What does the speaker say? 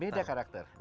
beda karakter betul